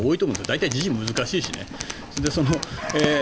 大体、時事難しいしね。